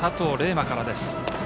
磨からです。